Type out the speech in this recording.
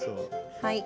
はい。